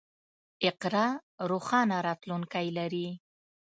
اقرا روښانه راتلونکی لري.